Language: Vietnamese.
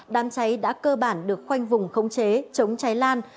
đám cháy đã cơ bản được khoanh vùng khống chế chống cháy lan